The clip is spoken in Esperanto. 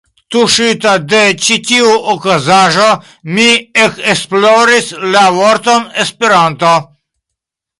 Tuŝita de ĉi tiu okazaĵo, mi ekesploris la vorton ”Esperanto”.